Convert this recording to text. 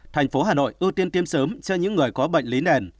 tp hcm ưu tiên tiêm sớm cho những người có bệnh lý nền